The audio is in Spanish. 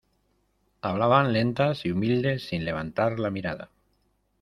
hablaban lentas y humildes, sin levantar la mirada: